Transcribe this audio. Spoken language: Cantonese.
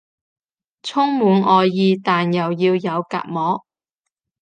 充滿愛意但又要有隔膜